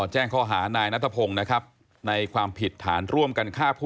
คือเขาบอกว่านั่งรถมาไม่รู้ว่าเป็นปัญหาอะไรเนาะ